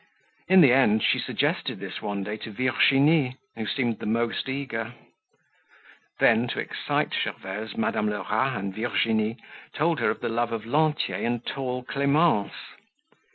In the end she suggested this one day to Virginie who seemed the most eager. Then, to excite Gervaise, Madame Lerat and Virginie told her of the love of Lantier and tall Clemence.